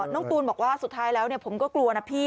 ตูนบอกว่าสุดท้ายแล้วผมก็กลัวนะพี่